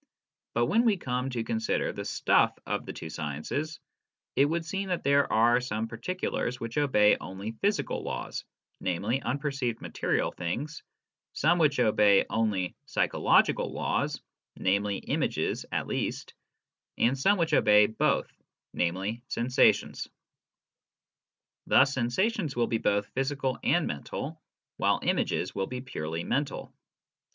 But when we come to consider the stuff of the two sciences, it would seem that there are some particulars which obey only physical laws (namely, unper ceived material things), some which obey only psychological laws (namely, images, at least), and some which obey both (namely, sensations). Thus sensations will be both physical and mental, while images will be purely mental.